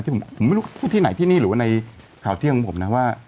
ผมไม่รู้พูดที่ไหนที่นี่หรือว่าในข่าวเที่ยงของผมนะว่า